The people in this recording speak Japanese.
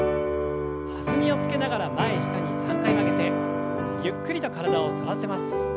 弾みをつけながら前下に３回曲げてゆっくりと体を反らせます。